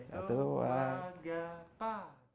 oke sampai jumpa